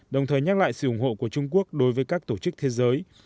đồng thời nhắc lại sự ủng hộ của trung quốc đối với các tổ chức thế giới